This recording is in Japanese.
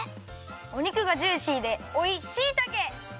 お肉がジューシーでおいしいたけ！